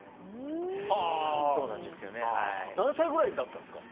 何歳ぐらいだったんですか？